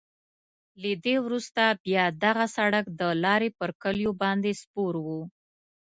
له دې وروسته بیا دغه سړک د لارې پر کلیو باندې سپور وو.